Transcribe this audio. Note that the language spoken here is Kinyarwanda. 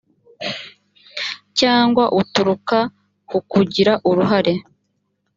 cyangwa uturuka ku kugira uruhare